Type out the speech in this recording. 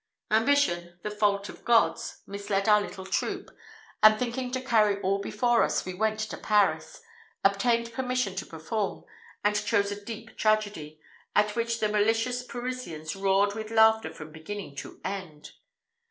Ambition, the fault of gods, misled our little troop; and thinking to carry all before us, we went to Paris, obtained permission to perform, and chose a deep tragedy, at which the malicious Parisians roared with laughter from beginning to end.